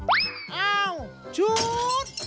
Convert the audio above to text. เอ้าชุด